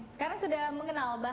seharusnya agak dua suatu